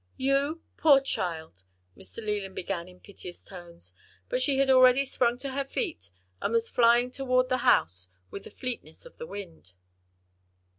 "You? poor child!" Mr. Leland began in piteous tones; but she had already sprung to her feet and was flying toward the house with the fleetness of the wind.